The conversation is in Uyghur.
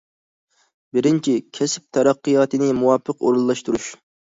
بىرىنچى، كەسىپ تەرەققىياتىنى مۇۋاپىق ئورۇنلاشتۇرۇش.